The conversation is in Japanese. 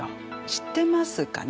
知ってますかね？